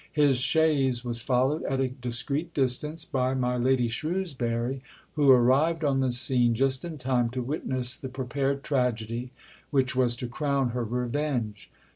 His chaise was followed at a discreet distance by my Lady Shrewsbury, who arrived on the scene just in time to witness the prepared tragedy which was to crown her revenge.